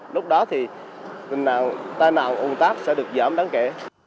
lúc đó thì tay nào ung tác sẽ được giảm đáng kể